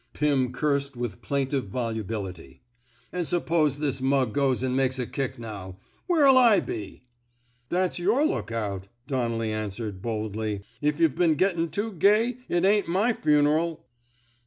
Pim cursed with plaintive volubility. *^ An' suppose this mug goes an' makes a kick now, where '11 / be? "That's your lookout," Donnelly an swered, boldly. If yuh've been gettin' too gay, it ain't my fun'ral."